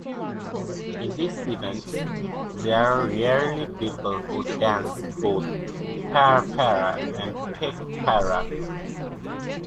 In these events, there are rarely people who dance both ParaPara and TechPara.